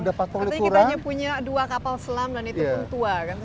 artinya kita hanya punya dua kapal selam dan itu pun tua kan